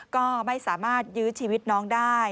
ก็ไม่สามารถยื้อชีวิตน้องได้